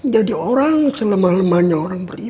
jadi orang selemah lemahnya orang beriman